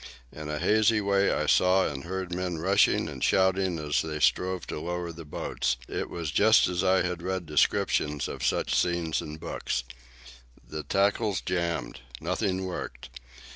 In a hazy way I saw and heard men rushing and shouting as they strove to lower the boats. It was just as I had read descriptions of such scenes in books. The tackles jammed. Nothing worked.